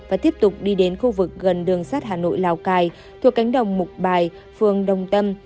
và tiếp tục đi đến khu vực gần đường sát hà nội lào cai thuộc cánh đồng mục bài phường đồng tâm